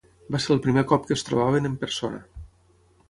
Va ser el primer cop que es trobaven en persona.